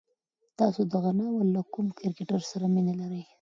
تاسو د دغه ناول له کوم کرکټر سره مینه لرئ؟